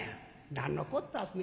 「何のこったんすね」。